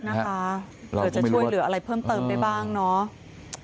เผื่อจะช่วยเหลืออะไรเพิ่มเติมได้บ้างเนาะ